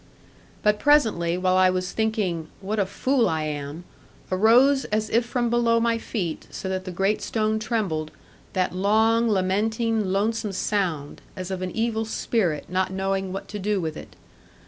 But presently, while I was thinking 'What a fool I am!' arose as if from below my feet, so that the great stone trembled, that long, lamenting lonesome sound, as of an evil spirit not knowing what to do with it.